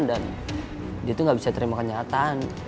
dan dia tuh gak bisa terima kenyataan